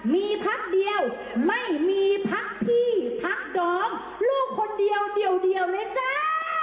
มีพักเดียวไม่มีพักพี่พักดอมลูกคนเดียวเดียวเลยจ้า